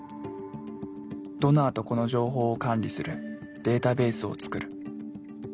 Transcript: ドナーと子の情報を管理するデータベースを作る。